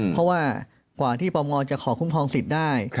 พอว่ากว่าที่ปอมมองท์จะขอคุ้มครองสิทธิ์ได้